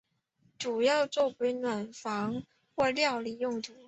主要作为暖房或料理用途。